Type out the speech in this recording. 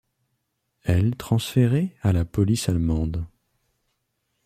Elle transférée à la police allemande.